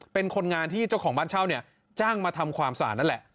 เป็นคนงานที่เจ้าของบ้านเช่าเนี่ยจ้างมาทำความสะอาดนั่นแหละ